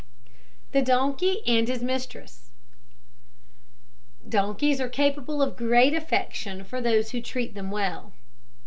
THE DONKEY AND HIS MISTRESS. Donkeys are capable of great affection for those who treat them well.